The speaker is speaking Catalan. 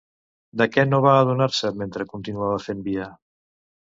De què no va adonar-se mentre continuava fent via?